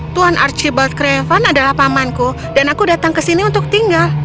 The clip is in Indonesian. tuan archibald craven adalah pamanku dan aku datang kesini untuk tinggal